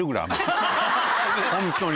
ホントに。